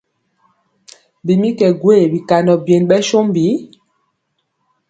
Bi mi kɛ gwee bikandɔ byen ɓɛ sombi?